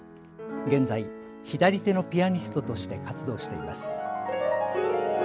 現在、左手のピアニストとして活動しています。